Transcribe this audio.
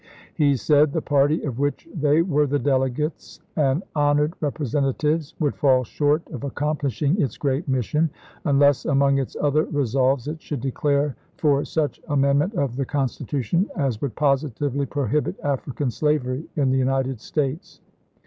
He said the party of which they were the delegates and honored rep resentatives would fall short of accomplishing its great mission unless among its other resolves it should declare for such amendment of the Consti tution as would positively prohibit African slavery in the United States.